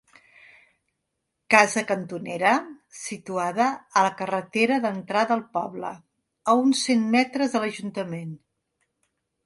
Casa cantonera situada a la carretera d'entrada al poble, a uns cent metres de l'ajuntament.